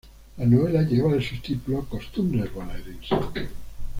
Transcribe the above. La novela lleva el subtítulo "Costumbres bonaerenses".